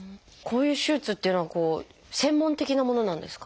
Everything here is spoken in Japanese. こういう手術っていうのは専門的なものなんですか？